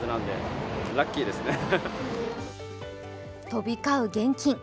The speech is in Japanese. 飛び交う現金。